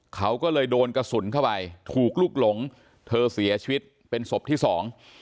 เขาก็เลยโดนกระสุนเข้าไปถูกลุกหลงเธอเสียชีวิตเป็นศพที่สอง